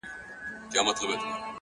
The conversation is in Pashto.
o خو يو ځل بيا وسجدې ته ټيټ سو ـ